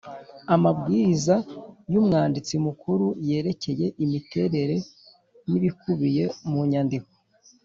Amabwiriza yUmwanditsi Mukuru yerekeye imiterere n ibikubiye mu nyandiko